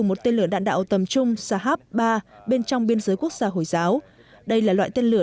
một tên lửa đạn đạo tầm trung shahab ba bên trong biên giới quốc gia hồi giáo đây là loại tên lửa